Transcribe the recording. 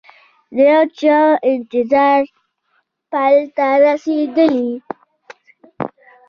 د یوچا انتظار پای ته رسیدلي